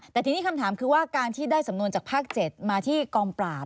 แต่ทีนี้คำถามคือว่าการที่ได้สำนวนจากภาค๗มาที่กองปราบ